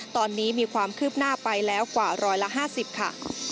ตอนนี้มีความคืบหน้าไปแล้วกว่า๑๕๐ค่ะ